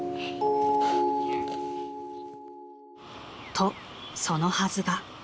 ［とそのはずが］